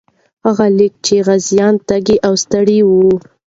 هغه لیکي چې غازیان تږي او ستړي وو.